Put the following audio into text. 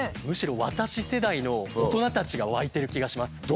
むしろ私世代の大人たちが沸いてる気がします。